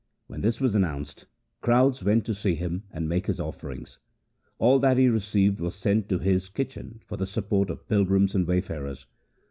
When this was announced, crowds went to see him and make him offerings. All that he received was sent to his kitchen for the support of pilgrims and wayfarers.